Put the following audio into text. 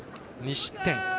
２失点。